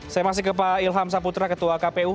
saya masih ke pak ilham saputra ketua kpu